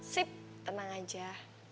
sip tenang aja ya